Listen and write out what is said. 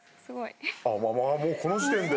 あっもうこの時点で。